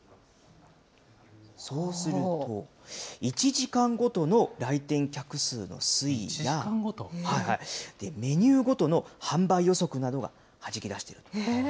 そうすると、１時間ごとの来店客数の推移や、メニューごとの販売予測などをはじき出していく。